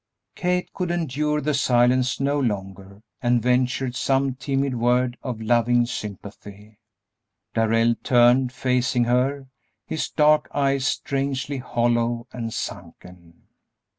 Kate could endure the silence no longer, and ventured some timid word of loving sympathy. Darrell turned, facing her, his dark eyes strangely hollow and sunken.